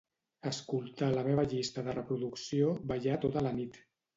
Escoltar la meva llista de reproducció "ballar tota la nit".